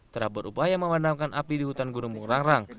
terlalu berubah yang memadamkan api di hutan gunung burang rang